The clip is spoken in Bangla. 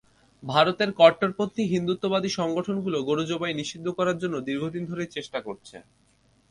ভারতের কট্টরপন্থী হিন্দুত্ববাদী সংগঠনগুলো গরু জবাই নিষিদ্ধ করার জন্য দীর্ঘদিন ধরেই চেষ্টা করছে।